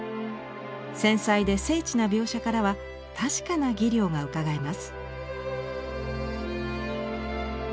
繊細で精緻な描写からは確かな技量がうかがえます。